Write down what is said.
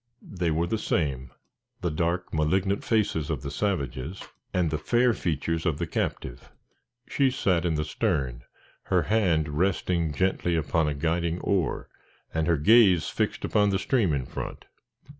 They were the same the dark, malignant faces of the savages, and the fair features of the captive. She sat in the stern, her hand resting gently upon a guiding oar, and her gaze fixed upon the stream in front.